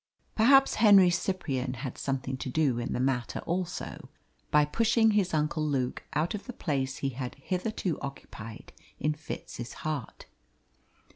Perhaps Henry Cyprian had something to do in the matter also by pushing his uncle Luke out of the place he had hitherto occupied in Fitz's heart.